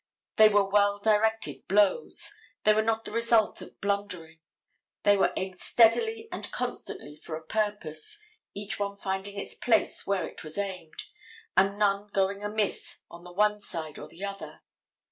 They were well directed blows. They were not the result of blundering. They were aimed steadily and constantly for a purpose, each one finding its place where it was aimed, and none going amiss on the one side or the other.